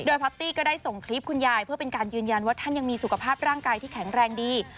พอตตี้ก็ได้ส่งคลิปคุณยายเพื่อเป็นการยืนยันว่าท่านยังมีสุขภาพร่างกายที่แข็งแรงดี